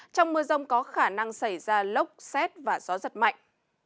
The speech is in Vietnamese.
trong mưa rông có khả năng xảy ra lốc xét và gió giật mạnh